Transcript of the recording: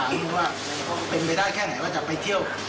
เอาเล่าเข้าไปเนี่ยถามว่าเป็นไปได้แค่ไหนว่าจะไปเที่ยว